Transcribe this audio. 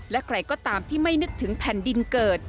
และใครก็ตามที่ไม่นึกถึงแผ่นดินเกิด